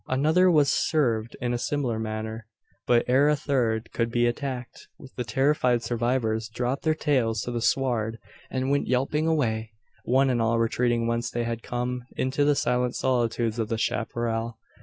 Another was served in a similar manner; but ere a third could be attacked, the terrified survivors dropped their tails to the sward, and went yelping away; one and all retreating whence they had come into the silent solitudes of the chapparal.